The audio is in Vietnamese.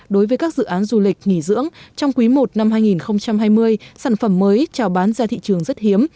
đối với các dự án du lịch nghỉ dưỡng trong quý i năm hai nghìn hai mươi sản phẩm mới trào bán ra thị trường rất hiếm